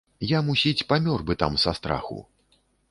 Я, мусіць, памёр бы там са страху.